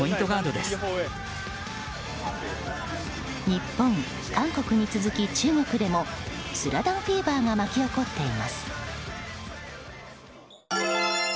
日本、韓国に続き中国でも「スラダン」フィーバーが巻き起こっています。